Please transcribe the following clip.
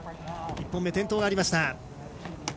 １本目、転倒がありました。